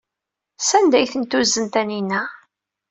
Sanda ay ten-tuzen Taninna?